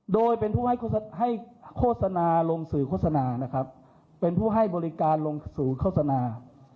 โดยเป็นผู้ให้โฆษณาลงสื่อโฆษณานะครับเป็นผู้ให้บริการลงศูนย์โฆษณา